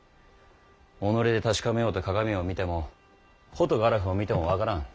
己で確かめようと鏡を見てもホトガラフを見ても分からぬ。